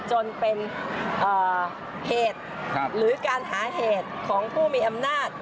จนเป็นเหตุหรือการหาเหตุของผู้มีอำนาจ